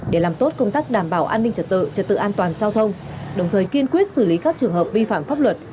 để làm tốt công tác đảm bảo an ninh trật tự trật tự an toàn giao thông đồng thời kiên quyết xử lý các trường hợp vi phạm pháp luật